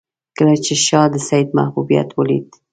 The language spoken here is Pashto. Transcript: کله چې شاه د سید محبوبیت ولید.